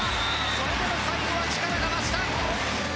それでも、最後は力が増した。